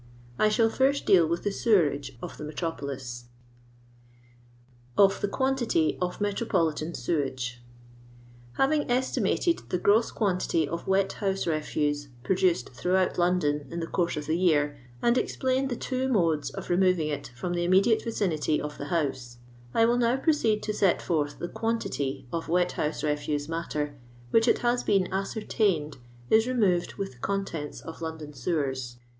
I shall first deal with the sewerage of the me tropolis. Of THl QUAXTITT OF Hbtbopoutas Sewaqx. Haviko estimated the gross quantity of wet house refuse produced throughout London in the eourse of the year, and explained the two modes of re moving it from the immediate vicinity of the house, I will now proceed to set forth the qwintity of wet housa refuse matter which it has beeu OKtrtainMd is removed with the oontents of Lon don sewers.